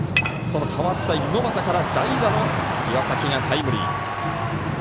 代わった猪俣から代打の岩崎がタイムリー。